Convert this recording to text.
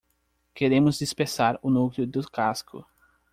Queremos dispersar o núcleo do casco.